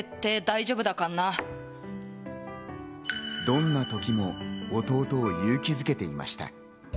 どんな時も弟を勇気づけていました。